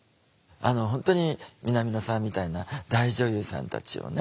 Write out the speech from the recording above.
本当に南野さんみたいな大女優さんたちをね